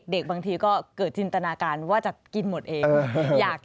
บางทีก็เกิดจินตนาการว่าจะกินหมดเอง